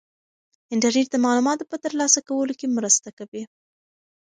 انټرنيټ د معلوماتو په ترلاسه کولو کې مرسته کوي.